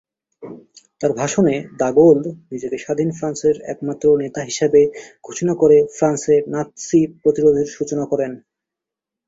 তার ভাষণে de Gaulle নিজেকে স্বাধীন ফ্রান্সের একমাত্র নেতা হিসেবে ঘোষণা করে ফ্রান্সে নাৎসি প্রতিরোধের সূচনা করেন।